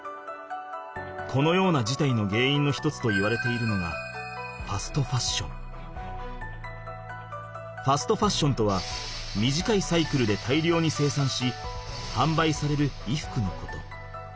このようなじたいのげんいんの一つといわれているのがファストファッションとは短いサイクルで大量に生産しはんばいされる衣服のこと。